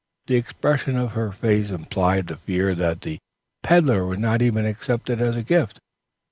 The expression of her face implied the fear that the peddler would not even accept it as a gift.